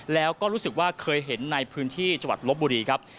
แล้วก็รู้สึกว่าเคยเห็นในพื้นที่จังหวัดลบบุรีครับ